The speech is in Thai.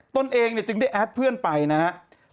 ตนเองจึงได้แอดเพื่อนไปนะครับ